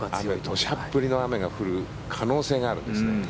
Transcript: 土砂降りの雨が降る可能性があるんですね。